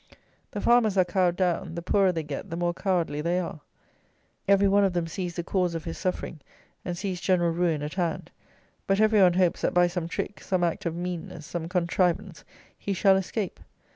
The farmers are cowed down: the poorer they get, the more cowardly they are. Every one of them sees the cause of his suffering, and sees general ruin at hand; but every one hopes that by some trick, some act of meanness, some contrivance, he shall escape.